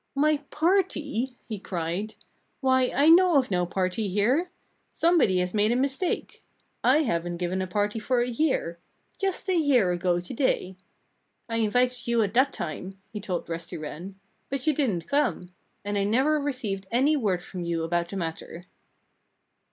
"My party!" he cried. "Why, I know of no party here! Somebody has made a mistake. I haven't given a party for a year just a year ago to day.... I invited you at that time," he told Rusty Wren, "but you didn't come. And I never received any word from you about the matter."